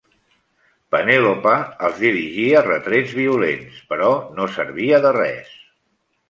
Penèlope els dirigia retrets violents, però no servia de res.